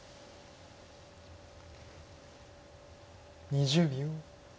２０秒。